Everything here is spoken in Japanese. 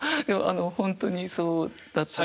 本当にそうだったんです。